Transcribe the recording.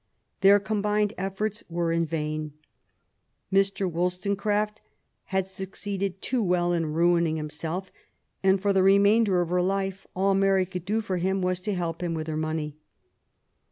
Their combined efforts were in vain. Mr. Wollstonecraft had succeeded too well in ruining himself; and for the remainder of her life all Mary could do for him was to help him with her money.